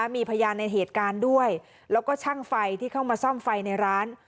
มีพยานในเหตุการณ์ด้วยแล้วก็ช่างไฟที่เข้ามาซ่อมไฟในร้าน